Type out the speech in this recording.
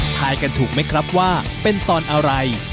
ทายกันถูกไหมครับว่าเป็นตอนอะไร